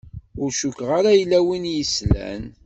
Ur cukkeɣ ara yella win i s-yeslan.